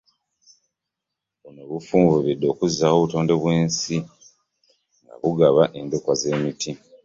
Buno bufunvubidde okuzzaawo obutonde bw'ensi nga bugaba endokwa z'emiti